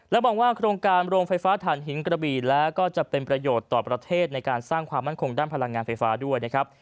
มองว่าโครงการโรงไฟฟ้าฐานหินกระบีแล้วก็จะเป็นประโยชน์ต่อประเทศในการสร้างความมั่นคงด้านพลังงานไฟฟ้าด้วยนะครับ